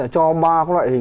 cho ba loại hình